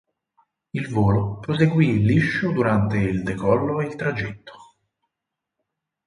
Il volo proseguì liscio durante il decollo e il tragitto.